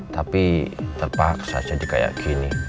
tapi terpaksa jadi kayak gini